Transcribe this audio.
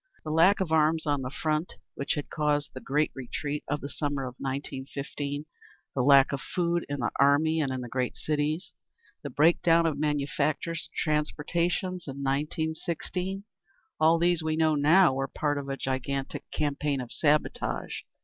The lack of arms on the front, which had caused the great retreat of the summer of 1915, the lack of food in the army and in the great cities, the break down of manufactures and transportation in 1916—all these we know now were part of a gigantic campaign of sabotage.